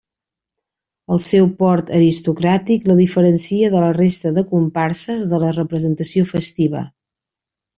El seu port aristocràtic la diferencia de la resta de comparses de la representació festiva.